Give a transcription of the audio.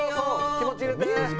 気持ち入れて。